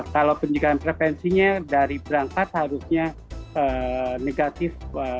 kalau penjagaan prevensinya dari berangkat harusnya negatif